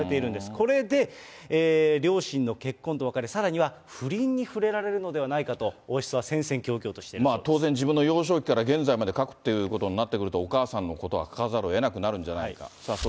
これで両親の結婚と別れ、さらには不倫に触れられるのではないかと王室は戦々恐々としてい当然自分の幼少期から現在まで書くということになってくると、お母さんのことは書かざるをえなくなるんじゃないかと。